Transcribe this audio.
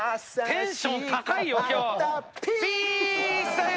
テンション高いよ、今日。